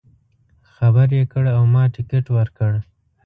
خبر یې کړ او ما ټکټ ورکړ.